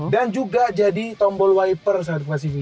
dan juga jadi tombol wiper saat gue pasipin